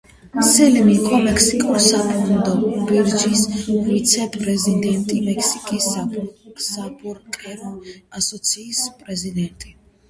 სლიმი იყო მექსიკის საფონდო ბირჟის ვიცე პრეზიდენტი და მექსიკის საბროკერო ასოციაციის პრეზიდენტი.